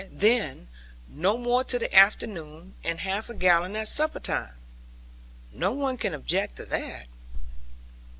And then no more till the afternoon; and half a gallon at supper time. No one can object to that.'